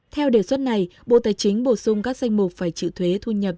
theo đề xuất này bộ tài chính bổ sung các danh mục phải chịu thuế thu nhập